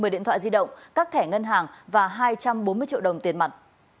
một mươi điện thoại di động các thẻ ngân hàng và hai trăm bốn mươi triệu đồng tiền mặt